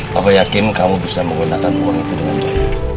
bapak yakin kamu bisa menggunakan uang itu dengan baik